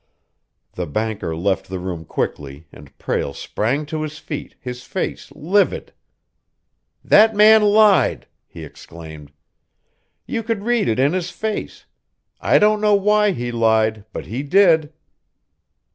The banker left the room quickly, and Prale sprang to his feet, his face livid. "That man lied!" he exclaimed. "You could read it in his face! I don't know why he lied, but he did!"